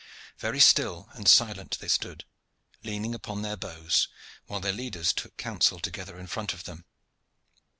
Very still and silent they stood, leaning upon their bows, while their leaders took counsel together in front of them.